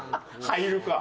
入るか。